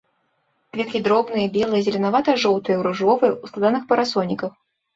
Кветкі дробныя, белыя, зеленавата-жоўтыя, ружовыя, у складаных парасоніках.